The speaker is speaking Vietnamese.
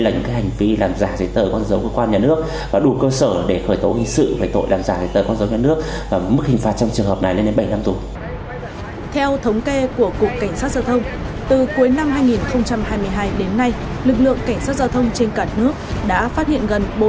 lực lượng cảnh sát giao thông trên cả nước đã phát hiện gần